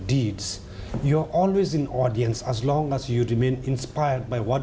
เวลาที่เรามีผู้หญิงแห่งพระเจ้าหรือพระเจ้าของพระเจ้า